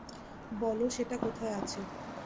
বলো, সেটা কোথায় আছে!